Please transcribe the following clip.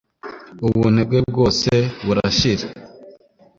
Ubuntu bwe bwose burashira